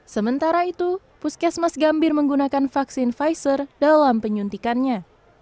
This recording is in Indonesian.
sementara itu puskesmas gambir menggunakan vaksin pfizer dalam penyuntikannya